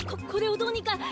ここれをどうにか。